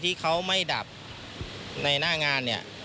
ที่เขาไม่ดับในหน้างานเนี่ย